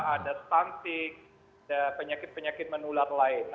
ada stantik ada penyakit penyakit menular lainnya